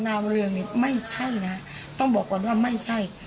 เรืองนี่ไม่ใช่นะต้องบอกก่อนว่าไม่ใช่